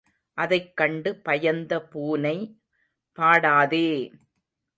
அதைக்கண்டு பயந்த பூனை, பாடாதே!